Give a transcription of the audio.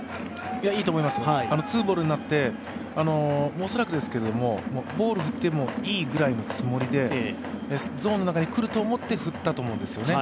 いいと思います、ツーボールになって、恐らくですけどボールを振ってもいいぐらいのつもりでゾーンの中に来ると思って振ったと思うんですよね。